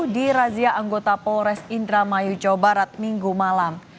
di razia anggota polres indramayu jawa barat minggu malam